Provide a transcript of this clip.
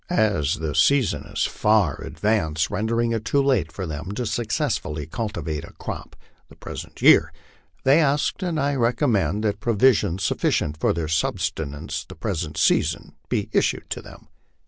As the season is far advanced, rendering it too late for them to successfully cultivate a crop the present year, they ask, and I recommend, that provisions sufficient for their subsistence the present season be issued them.